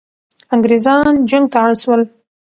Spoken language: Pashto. انګریزان جنگ ته اړ سول.